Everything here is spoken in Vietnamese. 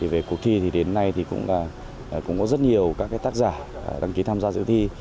về cuộc thi thì đến nay thì cũng có rất nhiều các tác giả đăng ký tham gia dự thi